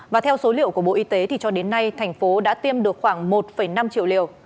và theo số liệu của bộ y tế cho đến nay tp hcm đã tiêm được khoảng một năm triệu liều